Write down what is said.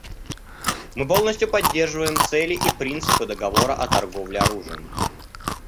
Мы полностью поддерживаем цели и принципы договора о торговле оружием.